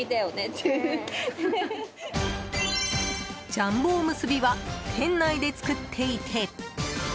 ジャンボおむすびは店内で作っていて。